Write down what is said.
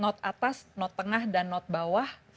note atas note tengah dan note bawah